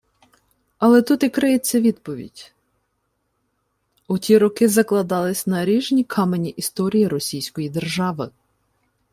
Але тут і криється відповідь: у ті роки закладалися наріжні камені історії Російської держави